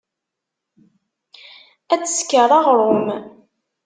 Ad tesker aɣṛum.